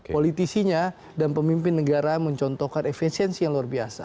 politisinya dan pemimpin negara mencontohkan efisiensi yang luar biasa